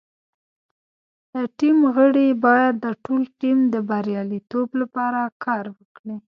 د ټیم غړي باید د ټول ټیم د بریالیتوب لپاره کار وکړي.